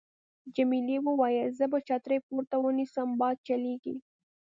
جميلې وويل:: زه به چترۍ پورته ونیسم، باد چلېږي.